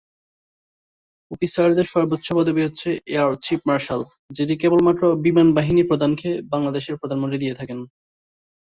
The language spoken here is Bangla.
অফিসারদের সর্বোচ্চ পদবি হচ্ছে 'এয়ার চীফ মার্শাল', যেটি কেবলমাত্র 'বিমান বাহিনী প্রধানকে' বাংলাদেশের প্রধানমন্ত্রী দিয়ে থাকেন।